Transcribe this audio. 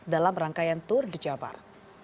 dalam rangkaian tur dijabar